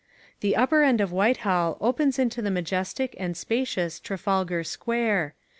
The upper end of Whitehall opens into the majestic and spacious Trafalgar Square.